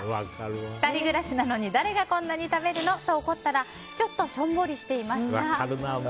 ２人暮らしなのに誰がこんなに食べるの？と怒ったらちょっとしょんぼりしていました。